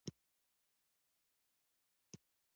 مېلمه ته د زړورتیا لمس ورکړه.